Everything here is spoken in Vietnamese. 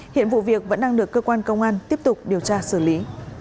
hiện vụ việc vẫn đang được cơ quan công an tiếp tục điều tra xử lý